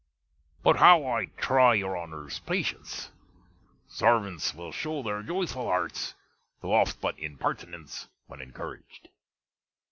But how I try your Honner's patience! Sarvants will shew their joyful hartes, tho' off but in partinens, when encourag'd.